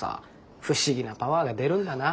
不思議なパワーが出るんだな。